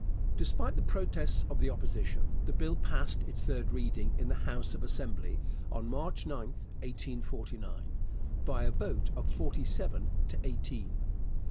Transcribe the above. Despite the protests of the Opposition, the Bill passed its third reading in the House of Assembly on March 9, 1849, by a vote of forty seven to eighteen.